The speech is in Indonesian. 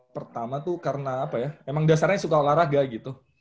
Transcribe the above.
pertama tuh karena apa ya emang dasarnya suka olahraga gitu